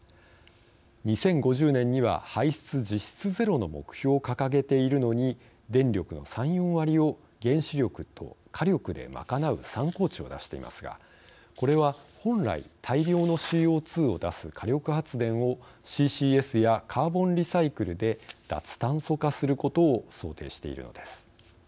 ２０５０年には排出実質ゼロの目標を掲げているのに電力の３４割を原子力と火力でまかなう参考値を出していますがこれは本来大量のＣＯ２を出す火力発電をＣＣＳやカーボンリサイクルで脱炭素化することを想定しているのです。